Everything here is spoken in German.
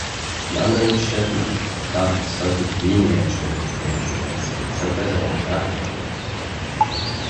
Die anderen Städten gab es deutlich weniger entsprechend tätige Ärzte, zeitweise auch gar keine.